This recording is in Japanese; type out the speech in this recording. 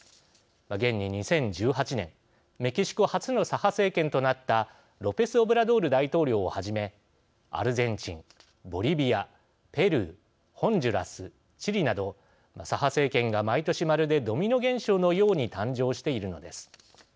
現に２０１８年メキシコ初の左派政権となったロペスオブラドール大統領をはじめアルゼンチン、ボリビアペルー、ホンジュラス、チリなど左派政権が毎年まるでドミノ現象のように誕生しているのです。